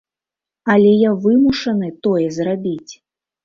Але я вымушаны тое зрабіць.